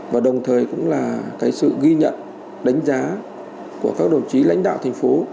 và đồng thời cũng là cái sự ghi nhận đánh giá của các đồng chí lãnh đạo thành phố